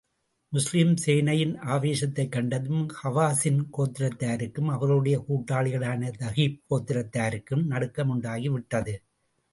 முஸ்லிம் சேனையின் ஆவேசத்தைக் கண்டதும், ஹவாஸின் கோத்திரத்தாருக்கும், அவர்களுடைய கூட்டாளிகளான தகீப் கோத்திரத்தாருக்கும் நடுக்கம் உண்டாகி விட்டது.